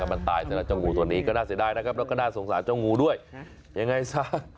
มันตายเสร็จแล้วมันสงสารเจ้างูด้วยยังไงซ้า